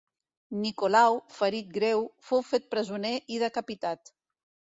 Nicolau, ferit greu, fou fet presoner i decapitat.